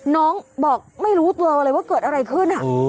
น้องบอกไม่รู้ตัวเลยว่าเกิดอะไรขึ้น